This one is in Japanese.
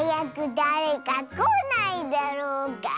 だれかこないだろうか。